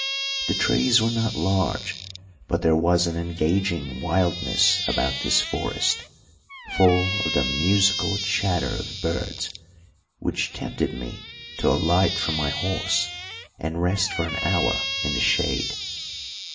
The trees were not large, but there was an engaging wildness about this forest, full of the musical chatter of birds, which tempted me to alight from my horse and rest for an hour in the shade.